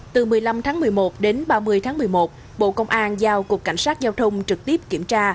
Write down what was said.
từ một mươi năm tháng một mươi một đến ba mươi tháng một mươi một bộ công an giao cục cảnh sát giao thông trực tiếp kiểm tra